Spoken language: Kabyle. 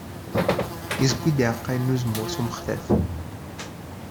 Izewwi-d iɛeqqayen n uzemmur s umextaf.